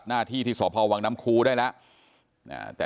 หน้าสพวังน้ำครูนะฮะ